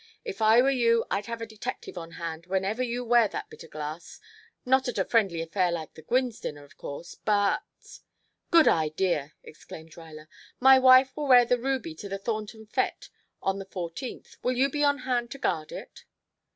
If I were you I'd have a detective on hand whenever you wear that bit o' glass not at a friendly affair like the Gwynnes' dinner, of course, but " "Good idea!" exclaimed Ruyler. "My wife will wear the ruby to the Thornton fête on the fourteenth. Will you be on hand to guard it?"